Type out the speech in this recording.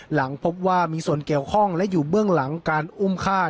หลังพบว่ามีส่วนเกี่ยวข้องและอยู่เบื้องหลังการอุ้มฆ่า